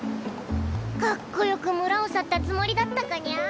かっこよく村を去ったつもりだったかニャ？